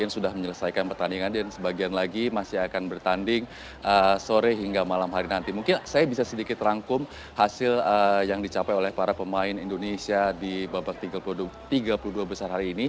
selamat sore puspa